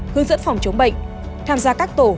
hướng dẫn phòng chống bệnh tham gia các tổ